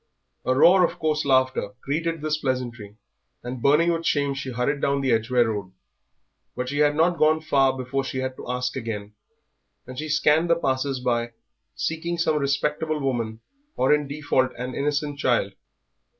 A roar of coarse laughter greeted this pleasantry, and burning with shame she hurried down the Edgware Road. But she had not gone far before she had to ask again, and she scanned the passers by seeking some respectable woman, or in default an innocent child.